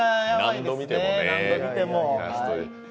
何度見ても。